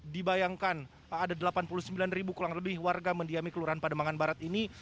dibayangkan ada delapan puluh sembilan ribu kurang lebih warga mendiami kelurahan pademangan barat ini